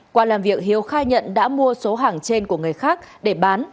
qua làm việc hiếu khai nhận đã mua số hàng trên của người khác để bán